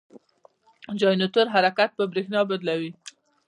جنراتور حرکت په برېښنا بدلوي.